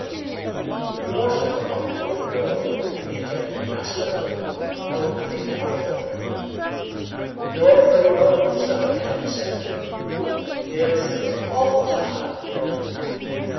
He washed at the pump, while the girl, in the attempt to be hospitable, held the clean towel for him. "You're purty well used up, eh?" he said to her. "Yes; it's awful hot out there."